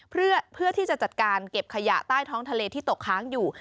เพื่อที่จะจัดการเก็บขยะใต้ท้องทะเลที่ตกค้างอยู่